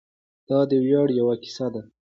دا د ویاړ یوه کیسه ده.